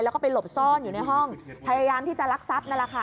แล้วก็ไปหลบซ่อนอยู่ในห้องพยายามที่จะรักทรัพย์